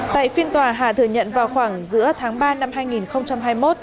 tại phiên tòa hà thừa nhận vào khoảng giữa tháng ba năm hai nghìn hai mươi một